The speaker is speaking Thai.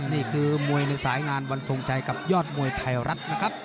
นี่คือมวยในสายงานวันทรงชัยกับยอดมวยไทยรัฐนะครับ